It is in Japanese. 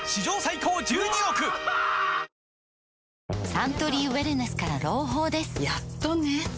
サントリーウエルネスから朗報ですやっとね